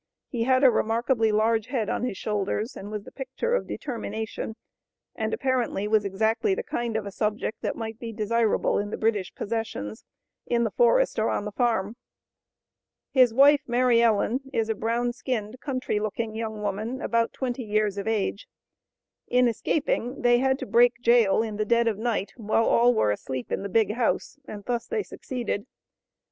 He had a remarkably large head on his shoulders and was the picture of determination, and apparently was exactly the kind of a subject that might be desirable in the British possessions, in the forest or on the farm. His wife, Mary Ellen, is a brown skinned, country looking young woman, about twenty years of age. In escaping, they had to break jail, in the dead of night, while all were asleep in the big house; and thus they succeeded.